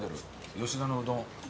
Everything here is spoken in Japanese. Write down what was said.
吉田のうどん。